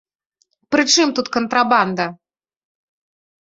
Пры чым тут кантрабанда?